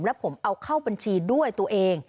และผมเอาเข้าบัญชีด้วยตัวเอง